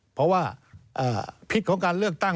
เพราะว่าพิษของการเลือกตั้ง